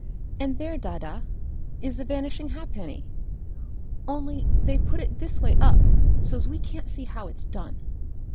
"And there, dadda, is the Vanishing Halfpenny , only they've put it this way up so's we can't see how it's done."